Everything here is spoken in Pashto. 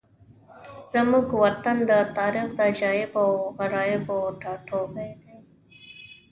زموږ وطن د تاریخ د عجایبو او غرایبو ټاټوبی دی.